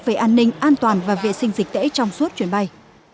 về an ninh an toàn và vệ sinh dịch tễ trong suốt chuyến bay